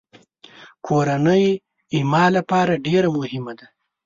کورنۍ زما لپاره ډېره مهمه ده.